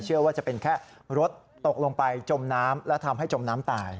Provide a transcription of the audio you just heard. เชื่อว่าจะเป็นแค่รถตกลงไปจมน้ำและทำให้จมน้ำตาย